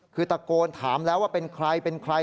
คือตะโกนถามแล้วว่าเป็นใครเป็นใคร